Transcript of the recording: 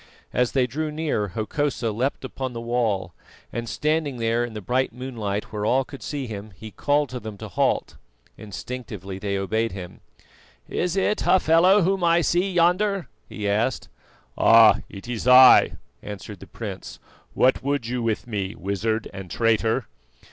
As they drew near, Hokosa leapt upon the wall, and standing there in the bright moonlight where all could see him, he called to them to halt. Instinctively they obeyed him. "Is it Hafela whom I see yonder?" he asked. "Ah! it is I," answered the prince. "What would you with me, wizard and traitor?"